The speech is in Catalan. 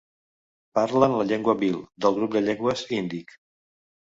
Parlen la llengua bhil, del grup de llengües índic.